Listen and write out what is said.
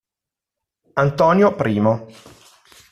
Antonio I